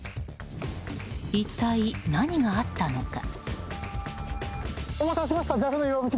一体何があったのか。